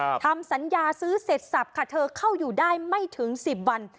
ทำสัญญาซื้อเสร็จสับค่ะเธอเข้าอยู่ได้ไม่ถึงสิบวัน